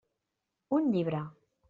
Un llibre.